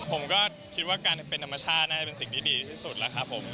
ผมก็คิดว่าการเป็นธรรมชาติน่าจะเป็นสิ่งที่ดีที่สุดแล้วครับผม